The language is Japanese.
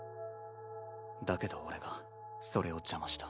だけど俺がそれを邪魔した。